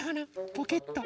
ポケット。